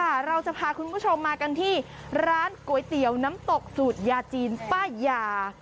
เราจะพาคุณผู้ชมมากันที่ร้านก๋วยเตี๋ยวน้ำตกสูตรยาจีนป้ายา